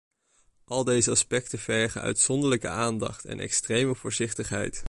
Al deze aspecten vergen uitzonderlijke aandacht en extreme voorzichtigheid.